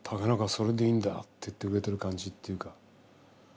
それでいいんだ」って言ってくれてる感じっていうか。